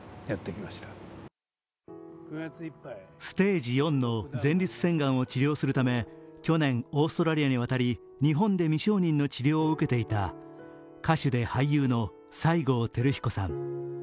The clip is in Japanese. ステージ４の前立腺がんを治療するため去年オーストラリアに渡り日本で未承認の治療受けていた、歌手で俳優の西郷輝彦さん。